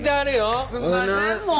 すんませんもう。